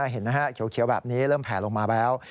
เห็นไหมฮะเขียวแบบนี้เริ่มแผลลงมาแล้ว